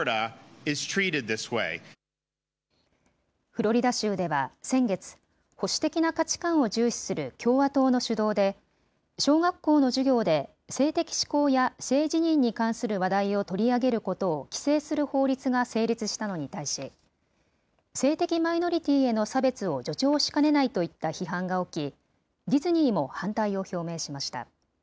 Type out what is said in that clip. フロリダ州では先月、保守的な価値観を重視する共和党の主導で、小学校の授業で性的指向や性自認に関する話題を取り上げることを規制する法律が成立したのに対し、性的マイノリティーへの差別を助長しかねないといった批判が起き、ディズニーも反対を表明しました。